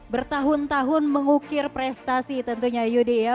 bertahun tahun mengukir prestasi tentunya yudi ya